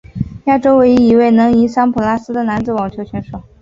亚洲唯一一位能赢桑普拉斯的男子网球选手。